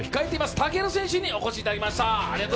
武尊選手にお越しいただきました。